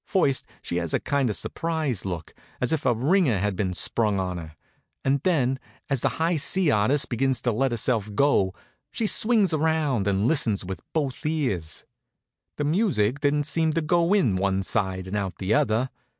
First she has a kind of surprised look, as if a ringer had been sprung on her; and then, as the high C artist begins to let herself go, she swings around and listens with both ears. The music didn't seem to go in one side and out the other.